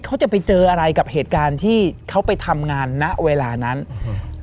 เขาจะไปเจออะไรกับเหตุการณ์ที่เขาไปทำงานณเวลานั้นอืม